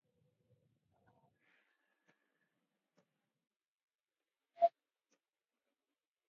Es el lugar natal del expresidente Hafez al-Asad.